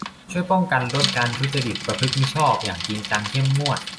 ช่วยป้องกันลดการทุจริตประพฤติมิชอบอย่างจริงจังเข้มงวด